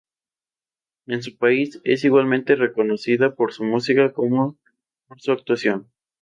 En su país, es igualmente reconocida por su música como por su actuación.